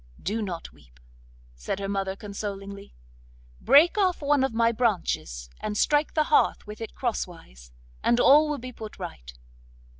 'Do not weep,' said her mother consolingly. 'Break off one of my branches, and strike the hearth with it crosswise, and all will be put right.